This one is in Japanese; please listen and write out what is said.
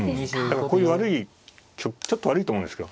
だからこういう悪いちょっと悪いと思うんですよ。